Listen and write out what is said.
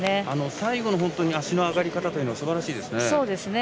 最後の足の上がり方はすばらしいですね。